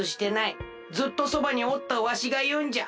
ずっとそばにおったわしがいうんじゃ。